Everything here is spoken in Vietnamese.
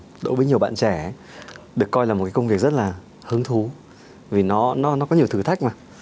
thì đổ với nhiều bạn trẻ được coi là một công việc rất là hứng thú vì nó nó có nhiều thử thách mà